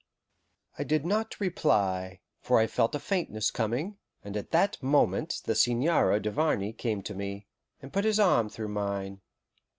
I did not reply, for I felt a faintness coming; and at that moment the Seigneur Duvarney came to me, and put his arm through mine.